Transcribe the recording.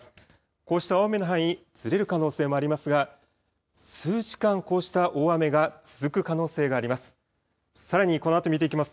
こうした大雨の範囲、ずれる可能性もありますが数時間、こうした大雨が続く可能性があります。